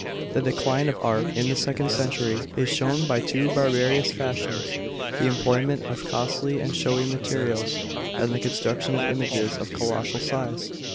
The decline of art in the second century is shown by two bar barons fashions: the employment of costly and showy materials, and the construction of images of colossal size.